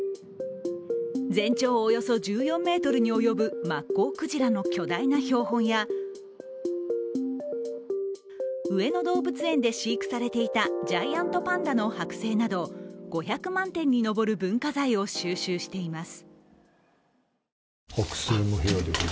全長およそ１４ｍに及ぶマッコウクジラの巨大な標本や上野動物園で飼育されていたジャイアントパンダの剥製など５００万点に上る文化財を収集しています。